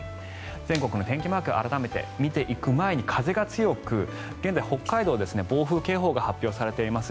全国の天気マークを改めて見ていく前に、風が強く現在、北海道暴風警報が発表されています。